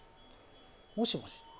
もしもし？